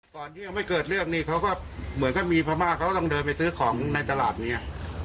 ก่อนที่ยังไม่เกิดเรื่องนี้เขาก็เหมือนกับมีพม่าเขาต้องเดินไปซื้อของในตลาดเนี่ย